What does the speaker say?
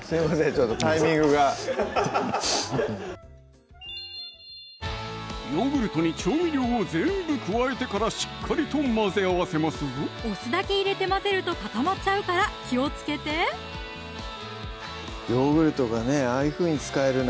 ちょっとタイミングがヨーグルトに調味料を全部加えてからしっかりと混ぜ合わせますぞお酢だけ入れて混ぜると固まっちゃうから気をつけてヨーグルトがねああいうふうに使えるなんてね